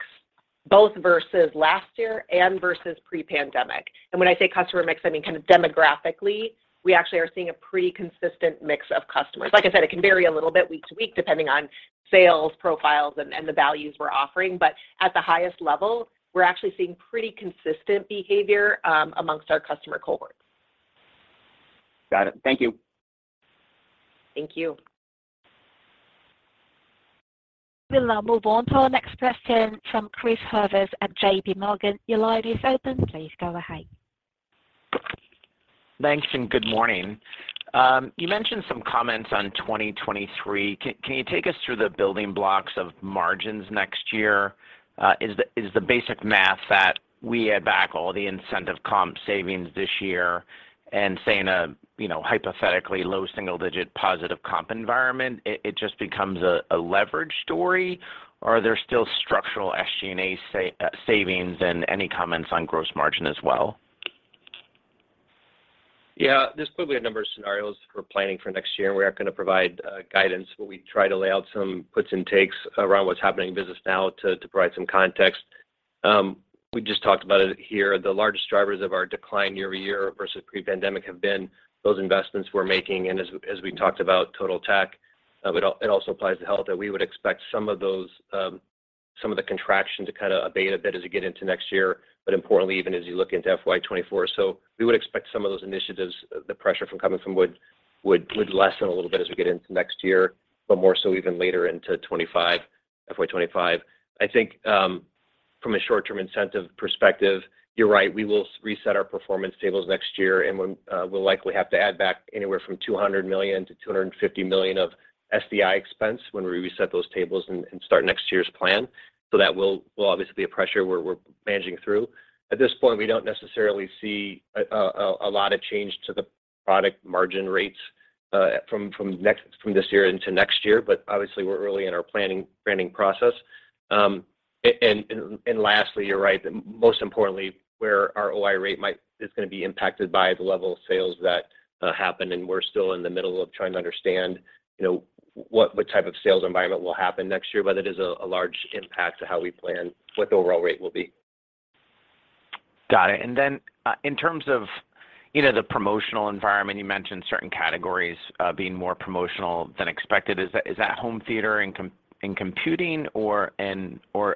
Speaker 3: both versus last year and versus pre-pandemic. When I say customer mix, I mean kind of demographically, we actually are seeing a pretty consistent mix of customers. Like I said, it can vary a little bit week to week, depending on sales profiles and the values we're offering, but at the highest level, we're actually seeing pretty consistent behavior amongst our customer cohorts.
Speaker 7: Got it. Thank you.
Speaker 3: Thank you.
Speaker 1: We'll now move on to our next question from Christopher Horvers at JPMorgan. Your line is open. Please go ahead.
Speaker 8: Thanks, and good morning. You mentioned some comments on 2023. Can you take us through the building blocks of margins next year? Is the basic math that we add back all the incentive comp savings this year and say in a, you know, hypothetically low single-digit positive comp environment, it just becomes a leverage story? Are there still structural SG&A savings and any comments on gross margin as well?
Speaker 4: Yeah. There's clearly a number of scenarios we're planning for next year, and we are gonna provide guidance, but we try to lay out some puts and takes around what's happening in business now to provide some context. We just talked about it here. The largest drivers of our decline year-over-year versus pre-pandemic have been those investments we're making, and as we talked about Totaltech, it also applies to Health that we would expect some of those, some of the contraction to kinda abate a bit as we get into next year, but importantly, even as you look into FY 2024. We would expect some of those initiatives, the pressure from coming from would lessen a little bit as we get into next year, but more so even later into 2025, FY 2025. I think, from a short-term incentive perspective, you're right. We will reset our performance tables next year, and we'll likely have to add back anywhere from $200 million-$250 million of SDI expense when we reset those tables and start next year's plan. That will obviously be a pressure we're managing through. At this point, we don't necessarily see a lot of change to the product margin rates from this year into next year, but obviously we're early in our planning process. And lastly, you're right. Most importantly, where our OI rate might..is gonna be impacted by the level of sales that happen. We're still in the middle of trying to understand, you know, what type of sales environment will happen next year. It is a large impact to how we plan what the overall rate will be.
Speaker 8: Got it. In terms of, you know, the promotional environment, you mentioned certain categories, being more promotional than expected. Is that home theater and computing or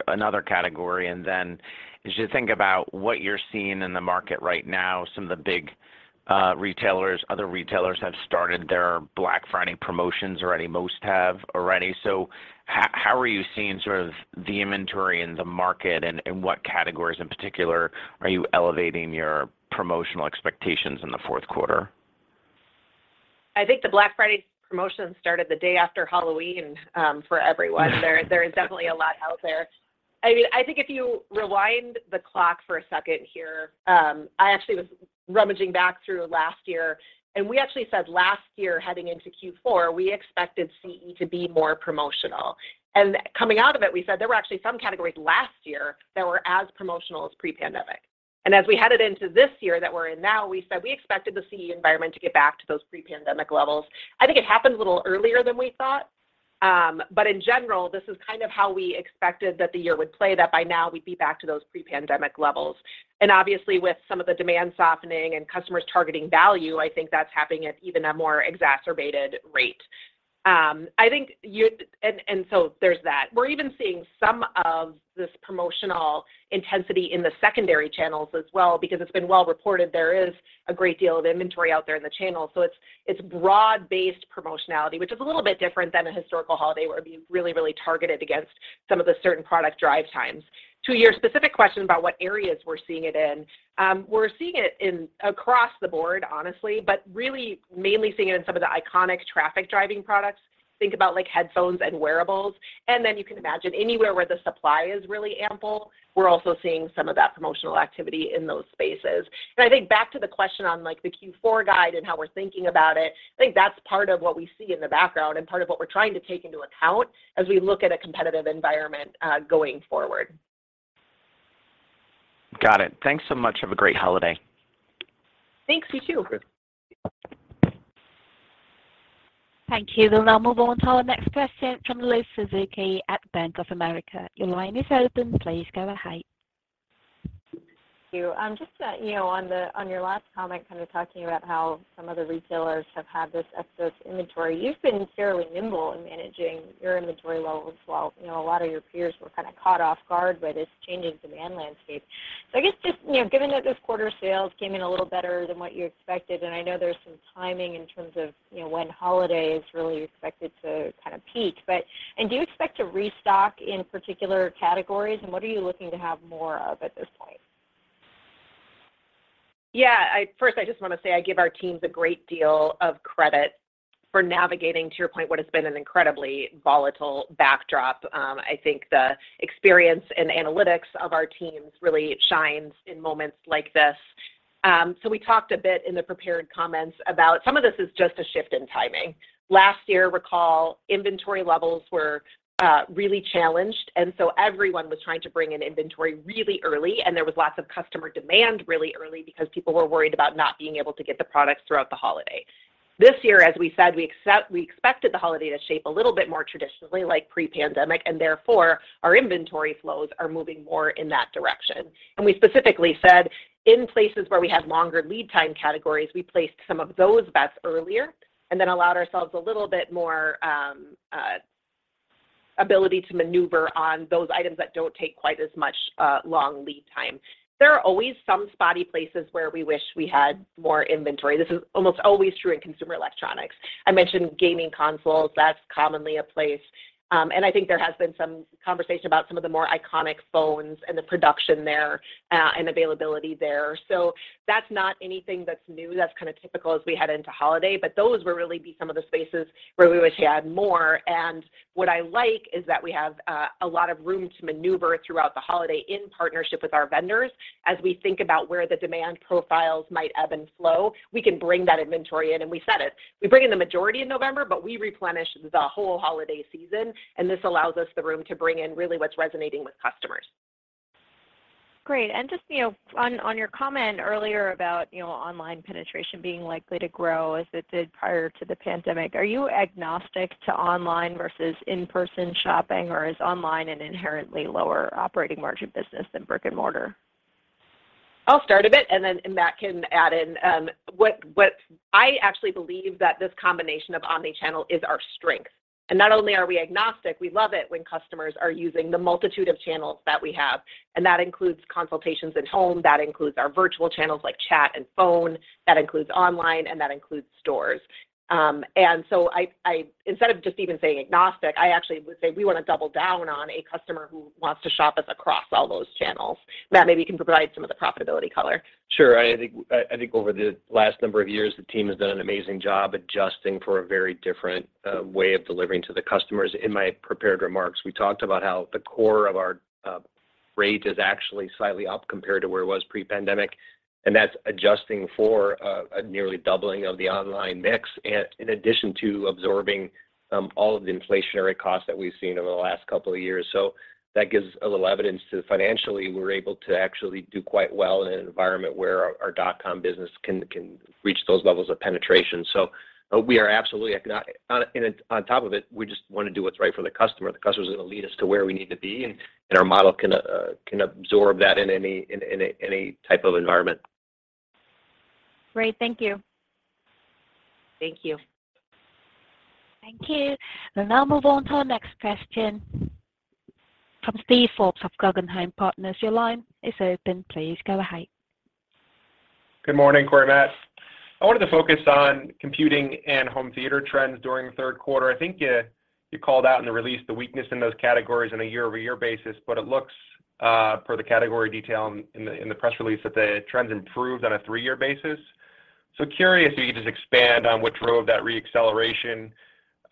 Speaker 8: another category? As you think about what you're seeing in the market right now, some of the big, retailers, other retailers have started their Black Friday promotions already. Most have already. How are you seeing sort of the inventory and the market and what categories in particular are you elevating your promotional expectations in the Q4?
Speaker 3: I think the Black Friday promotion started the day after Halloween for everyone. There is definitely a lot out there. I mean, I think if you rewind the clock for a second here, I actually was rummaging back through last year, and we actually said last year heading into Q4, we expected CE to be more promotional. Coming out of it, we said there were actually some categories last year that were as promotional as pre-pandemic. As we headed into this year that we're in now, we said we expected the CE environment to get back to those pre-pandemic levels. I think it happened a little earlier than we thought. In general, this is kind of how we expected that the year would play, that by now we'd be back to those pre-pandemic levels. Obviously, with some of the demand softening and customers targeting value, I think that's happening at even a more exacerbated rate. I think there's that. We're even seeing some of this promotional intensity in the secondary channels as well because it's been well reported there is a great deal of inventory out there in the channel. It's broad-based promotionality, which is a little bit different than a historical holiday where it'd be really targeted against some of the certain product drive times. To your specific question about what areas we're seeing it in, we're seeing it in across the board, honestly, but really mainly seeing it in some of the iconic traffic driving products. Think about like headphones and wearables, then you can imagine anywhere where the supply is really ample, we're also seeing some of that promotional activity in those spaces. I think back to the question on like the Q4 guide and how we're thinking about it, I think that's part of what we see in the background and part of what we're trying to take into account as we look at a competitive environment, going forward.
Speaker 4: Got it. Thanks so much. Have a great holiday.
Speaker 3: Thanks. You too.
Speaker 4: Okay.
Speaker 1: Thank you. We'll now move on to our next question from Elizabeth Suzuki at Bank of America. Your line is open. Please go ahead.
Speaker 9: Thank you. just, you know, on the, on your last comment, kind of talking about how some other retailers have had this excess inventory, you've been fairly nimble in managing your inventory levels while, you know, a lot of your peers were kind of caught off guard by this change in demand landscape. I guess just, you know, given that this quarter sales came in a little better than what you expected, and I know there's some timing in terms of, you know, when holiday is really expected to kind of peak. Do you expect to restock in particular categories, and what are you looking to have more of at this point?
Speaker 3: Yeah. First, I just wanna say I give our teams a great deal of credit for navigating, to your point, what has been an incredibly volatile backdrop. I think the experience and analytics of our teams really shines in moments like this. We talked a bit in the prepared comments about some of this is just a shift in timing. Last year, recall, inventory levels were really challenged, and so everyone was trying to bring in inventory really early, and there was lots of customer demand really early because people were worried about not being able to get the products throughout the holiday. This year, as we said, we expected the holiday to shape a little bit more traditionally like pre-pandemic, and therefore our inventory flows are moving more in that direction. We specifically said in places where we had longer lead time categories, we placed some of those bets earlier and then allowed ourselves a little bit more ability to maneuver on those items that don't take quite as much long lead time. There are always some spotty places where we wish we had more inventory. This is almost always true in consumer electronics. I mentioned gaming consoles, that's commonly a place. I think there has been some conversation about some of the more iconic phones and the production there, and availability there. That's not anything that's new. That's kind of typical as we head into Holiday. Those will really be some of the spaces where we wish we had more. What I like is that we have, a lot of room to maneuver throughout the holiday in partnership with our vendors. As we think about where the demand profiles might ebb and flow, we can bring that inventory in. We said it. We bring in the majority in November, but we replenish the whole holiday season, and this allows us the room to bring in really what's resonating with customers.
Speaker 9: Just, you know, on your comment earlier about, you know, online penetration being likely to grow as it did prior to the pandemic, are you agnostic to online versus in-person shopping, or is online an inherently lower operating margin business than brick-and-mortar?
Speaker 3: I'll start a bit, and then Matt can add in. What I actually believe that this combination of omni-channel is our strength. Not only are we agnostic, we love it when customers are using the multitude of channels that we have, and that includes consultations at home, that includes our virtual channels like chat and phone, that includes online, and that includes stores. Instead of just even saying agnostic, I actually would say we wanna double down on a customer who wants to shop us across all those channels. Matt, maybe you can provide some of the profitability color.
Speaker 4: Sure. I think over the last number of years, the team has done an amazing job adjusting for a very different way of delivering to the customers. In my prepared remarks, we talked about how the core of our rate is actually slightly up compared to where it was pre-pandemic, and that's adjusting for a nearly doubling of the online mix in addition to absorbing all of the inflationary costs that we've seen over the last couple of years. That gives a little evidence to financially, we're able to actually do quite well in an environment where our dot-com business can reach those levels of penetration. We are absolutely and on top of it, we just wanna do what's right for the customer. The customer's gonna lead us to where we need to be, and our model can absorb that in any type of environment.
Speaker 9: Great. Thank you.
Speaker 3: Thank you.
Speaker 1: Thank you. We'll now move on to our next question from Steven Forbes of Guggenheim Partners. Your line is open. Please go ahead.
Speaker 10: Good morning, Corie and Matt. I wanted to focus on computing and home theater trends during the Q3. I think You called out in the release the weakness in those categories on a year-over-year basis, but it looks per the category detail in the press release that the trends improved on a three-year basis. Curious if you could just expand on what drove that re-acceleration.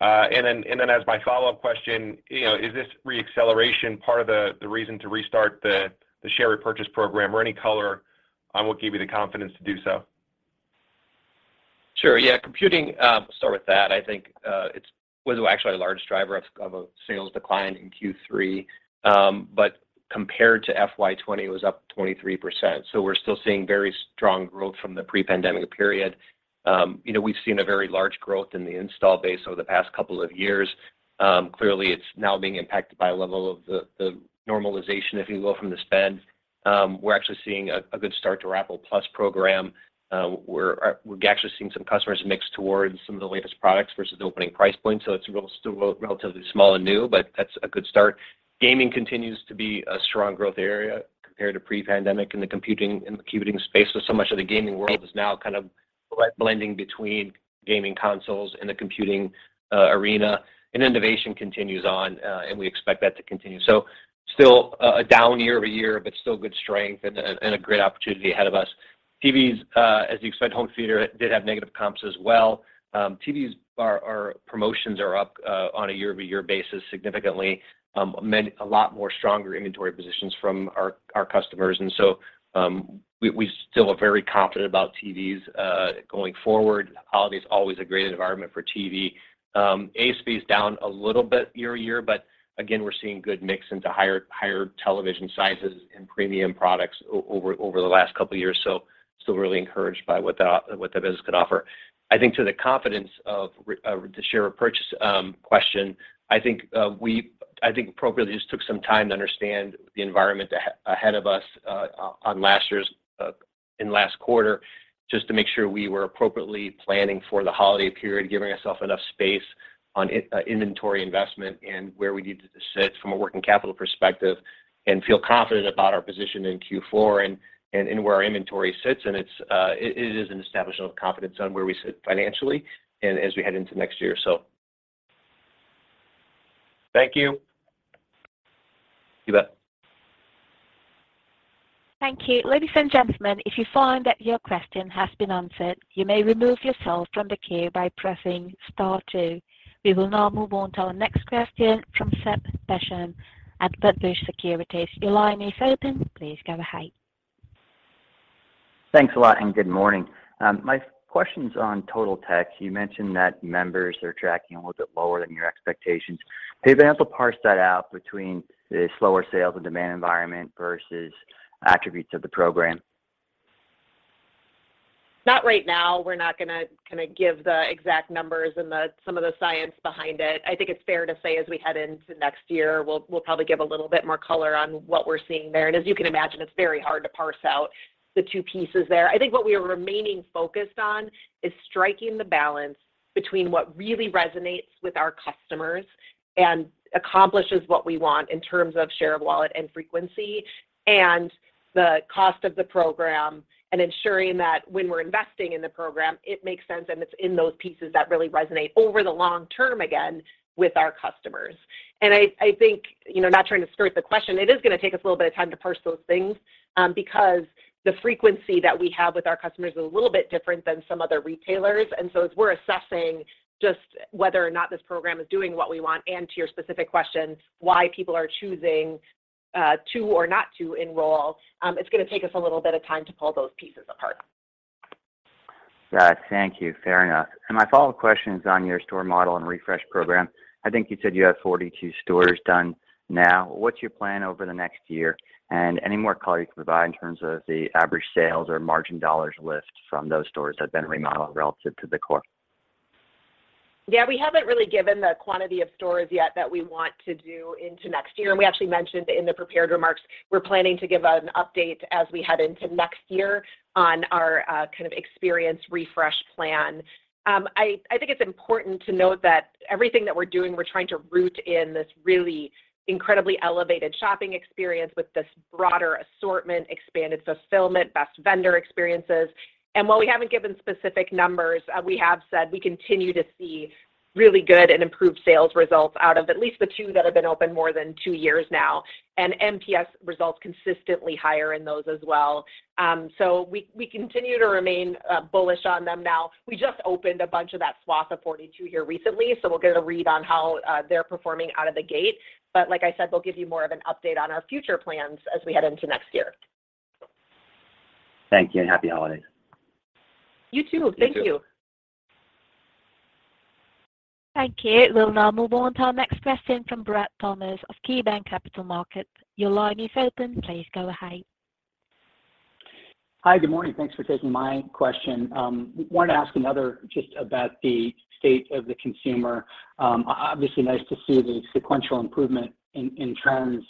Speaker 10: Then as my follow-up question, you know, is this re-acceleration part of the reason to restart the share repurchase program or any color on what gave you the confidence to do so?
Speaker 4: Sure, yeah. Computing, start with that. I think, it was actually a large driver of a sales decline in Q3. Compared to FY 2020, it was up 23%. We're still seeing very strong growth from the pre-pandemic period. You know, we've seen a very large growth in the install base over the past couple of years. Clearly, it's now being impacted by a level of the normalization, if you will, from the spend. We're actually seeing a good start to Apple Plus program. We're actually seeing some customers mix towards some of the latest products versus opening price point. It's still relatively small and new, that's a good start. Gaming continues to be a strong growth area compared to pre-pandemic in the computing space. Much of the gaming world is now kind of blending between gaming consoles and the computing arena. Innovation continues on, and we expect that to continue. Still a down year-over-year, but still good strength and a great opportunity ahead of us. TVs, as you expect, home theater did have negative comps as well. TVs, promotions are up on a year-over-year basis significantly. A lot more stronger inventory positions from our customers. We still are very confident about TVs going forward. Holiday is always a great environment for TV. ASP is down a little bit year-over-year, but again, we're seeing good mix into higher television sizes and premium products over the last couple of years. Still really encouraged by what that, what that business could offer. I think to the confidence of the share repurchase question, I think we, I think appropriately just took some time to understand the environment ahead of us on last year's in last quarter, just to make sure we were appropriately planning for the holiday period, giving ourself enough space on inventory investment and where we needed to sit from a working capital perspective and feel confident about our position in Q4 and in where our inventory sits. It's it is an establishment of confidence on where we sit financially and as we head into next year.
Speaker 10: Thank you.
Speaker 4: You bet.
Speaker 1: Thank you. Ladies and gentlemen, if you find that your question has been answered, you may remove yourself from the queue by pressing star two. We will now move on to our next question from Seth Basham at Wedbush Securities. Your line is open. Please go ahead.
Speaker 11: Thanks a lot. Good morning. My question's on Totaltech. You mentioned that members are tracking a little bit lower than your expectations. Do you have any to parse that out between the slower sales and demand environment versus attributes of the program?
Speaker 3: Not right now. We're not gonna give the exact numbers and the, some of the science behind it. I think it's fair to say as we head into next year, we'll probably give a little bit more color on what we're seeing there. As you can imagine, it's very hard to parse out the two pieces there. I think what we are remaining focused on is striking the balance between what really resonates with our customers and accomplishes what we want in terms of share of wallet and frequency and the cost of the program and ensuring that when we're investing in the program, it makes sense and it's in those pieces that really resonate over the long term again with our customers. I think, you know, not trying to skirt the question, it is gonna take us a little bit of time to parse those things, because the frequency that we have with our customers is a little bit different than some other retailers. As we're assessing just whether or not this program is doing what we want and to your specific question, why people are choosing to or not to enroll, it's gonna take us a little bit of time to pull those pieces apart.
Speaker 11: Got it. Thank you. Fair enough. My follow-up question is on your store model and refresh program. I think you said you have 42 stores done now. What's your plan over the next year? Any more color you can provide in terms of the average sales or margin dollars lift from those stores that have been remodeled relative to the core?
Speaker 3: Yeah, we haven't really given the quantity of stores yet that we want to do into next year. We actually mentioned in the prepared remarks, we're planning to give an update as we head into next year on our kind of experience refresh plan. I think it's important to note that everything that we're doing, we're trying to root in this really incredibly elevated shopping experience with this broader assortment, expanded fulfillment, best vendor experiences. While we haven't given specific numbers, we have said we continue to see really good and improved sales results out of at least the two that have been open more than two years now. NPS results consistently higher in those as well. We continue to remain bullish on them now. We just opened a bunch of that swath of 42 here recently. We'll get a read on how they're performing out of the gate. Like I said, we'll give you more of an update on our future plans as we head into next year.
Speaker 11: Thank you, and happy holidays.
Speaker 3: You too. Thank you.
Speaker 4: You too.
Speaker 1: Thank you. We'll now move on to our next question from Bradley Thomas of KeyBanc Capital Markets. Your line is open. Please go ahead.
Speaker 12: Hi. Good morning. Thanks for taking my question. Wanted to ask another just about the state of the consumer. Obviously nice to see the sequential improvement in trends,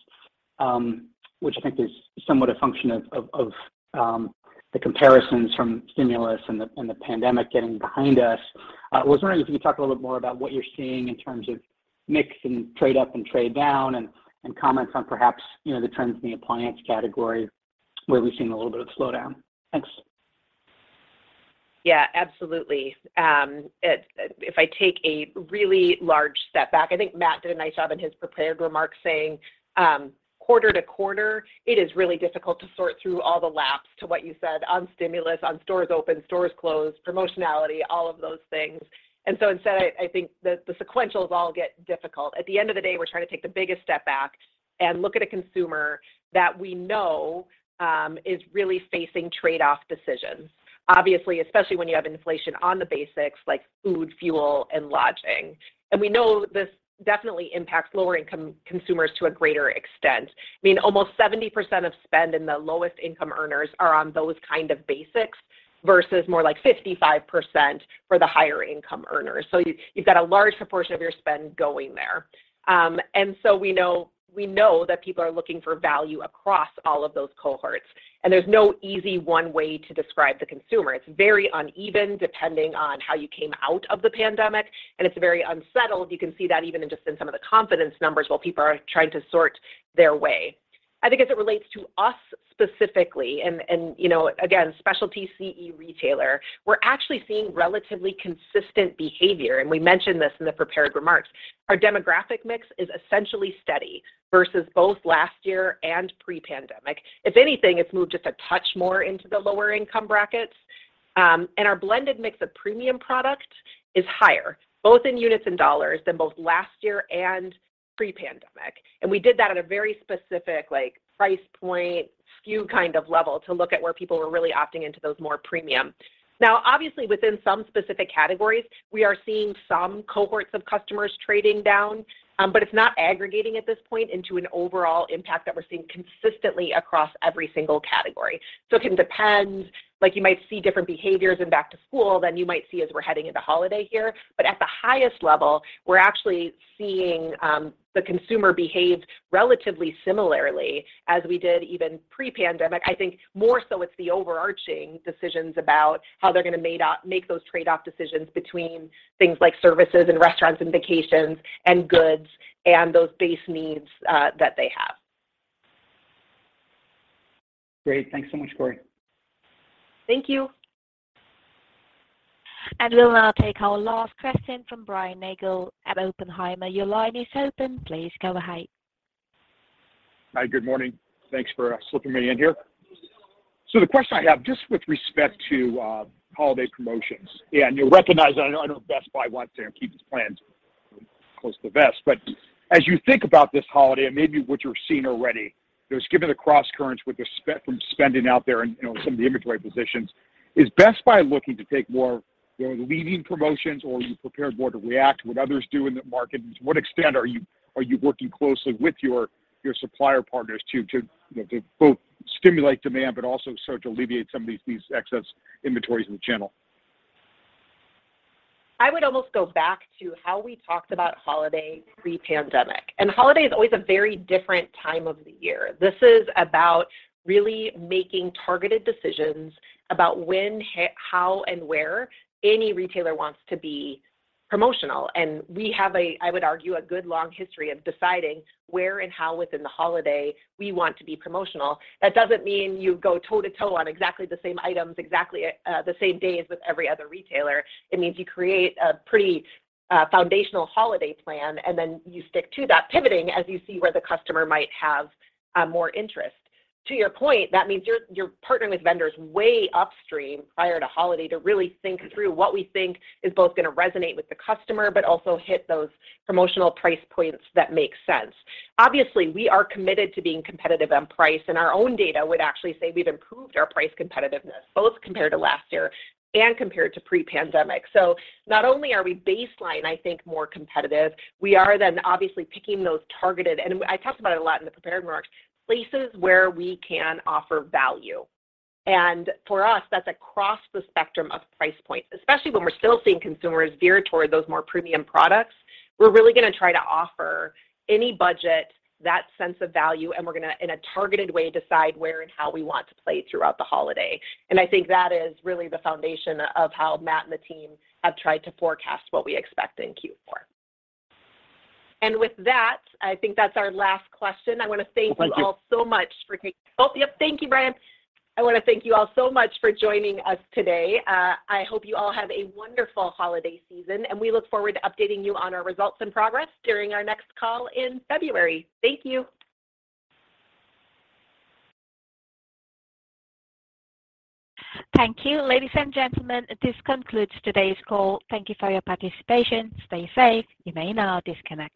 Speaker 12: which I think is somewhat a function of the comparisons from stimulus and the pandemic getting behind us. Was wondering if you could talk a little bit more about what you're seeing in terms of mix and trade up and trade down and comments on perhaps, you know, the trends in the appliance category where we've seen a little bit of slowdown? Thanks.
Speaker 3: Yeah, absolutely. If I take a really large step back, I think Matt did a nice job in his prepared remarks saying, quarter to quarter, it is really difficult to sort through all the laps to what you said on stimulus, on stores open, stores closed, promotionality, all of those things. Instead, I think the sequentials all get difficult. At the end of the day, we're trying to take the biggest step back and look at a consumer that we know is really facing trade-off decisions. Obviously, especially when you have inflation on the basics like food, fuel, and lodging. We know this definitely impacts lower income consumers to a greater extent. I mean, almost 70% of spend in the lowest income earners are on those kind of basics versus more like 55% for the higher income earners. You've got a large proportion of your spend going there. We know that people are looking for value across all of those cohorts, and there's no easy one way to describe the consumer. It's very uneven depending on how you came out of the pandemic, and it's very unsettled. You can see that even in some of the confidence numbers while people are trying to sort their way. I think as it relates to us specifically and, you know, again, specialty CE retailer, we're actually seeing relatively consistent behavior, and we mentioned this in the prepared remarks. Our demographic mix is essentially steady versus both last year and pre-pandemic. If anything, it's moved just a touch more into the lower income brackets. Our blended mix of premium product is higher, both in units and dollars, than both last year and pre-pandemic. We did that at a very specific, like, price point, SKU kind of level to look at where people were really opting into those more premium. Obviously, within some specific categories, we are seeing some cohorts of customers trading down, but it's not aggregating at this point into an overall impact that we're seeing consistently across every single category. It can depend. Like, you might see different behaviors in back to school than you might see as we're heading into holiday here. At the highest level, we're actually seeing, the consumer behave relatively similarly as we did even pre-pandemic.I think more so it's the overarching decisions about how they're gonna make those trade-off decisions between things like services and restaurants and vacations and goods and those base needs that they have.
Speaker 13: Great. Thanks so much, Corie.
Speaker 5: Thank you.
Speaker 1: We'll now take our last question from Brian Nagel at Oppenheimer. Your line is open. Please go ahead.
Speaker 13: Hi. Good morning. Thanks for slipping me in here. So the question I have, just with respect to holiday promotions, and you'll recognize that I know, I know Best Buy wants to keep its plans close to the vest. But as you think about this holiday and maybe what you're seeing already, just given the cross currents with spending out there and, you know, some of the inventory positions, is Best Buy looking to take more, you know, leading promotions, or are you prepared more to react to what others do in the market? And to what extent are you, are you working closely with your supplier partners to, you know, to both stimulate demand but also start to alleviate some of these excess inventories in the channel?
Speaker 3: I would almost go back to how we talked about holiday pre-pandemic. Holiday is always a very different time of the year. This is about really making targeted decisions about when, how, and where any retailer wants to be promotional. We have a, I would argue, a good long history of deciding where and how within the holiday we want to be promotional. That doesn't mean you go toe-to-toe on exactly the same items exactly, the same day as with every other retailer. It means you create a pretty, foundational holiday plan, and then you stick to that, pivoting as you see where the customer might have, more interest. To your point, that means you're partnering with vendors way upstream prior to holiday to really think through what we think is both gonna resonate with the customer, but also hit those promotional price points that make sense. Obviously, we are committed to being competitive on price, and our own data would actually say we've improved our price competitiveness, both compared to last year and compared to pre-pandemic. Not only are we baseline, I think, more competitive, we are then obviously picking those targeted, I talked about it a lot in the prepared remarks, places where we can offer value. For us, that's across the spectrum of price points, especially when we're still seeing consumers veer toward those more premium products. We're really gonna try to offer any budget that sense of value, and we're gonna, in a targeted way, decide where and how we want to play throughout the holiday, and I think that is really the foundation of how Matt and the team have tried to forecast what we expect in Q4. With that, I think that's our last question. I want to thank you all so much for.
Speaker 13: Well, thank you.
Speaker 3: Yep. Thank you, Brian. I want to thank you all so much for joining us today. I hope you all have a wonderful holiday season, and we look forward to updating you on our results and progress during our next call in February. Thank you.
Speaker 1: Thank you. Ladies and gentlemen, this concludes today's call. Thank you for your participation. Stay safe. You may now disconnect.